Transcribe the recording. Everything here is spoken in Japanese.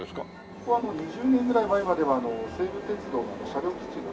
ここはもう２０年ぐらい前までは西武鉄道の車両基地が。